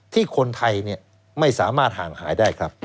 ที่คนไทยไม่สามารถห่างหายได้ครับ